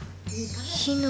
「火の」